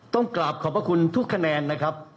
ต้องกราบขอบพระคุณทุกคะแนนนะครับ